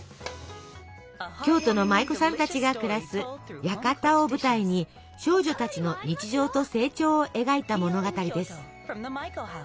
京都の舞妓さんたちが暮らす「屋形」を舞台に少女たちの日常と成長を描いた物語です。